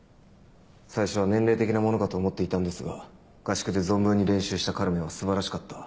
最初は年齢的なものかと思っていたんですが合宿で存分に練習した『カルメン』は素晴らしかった。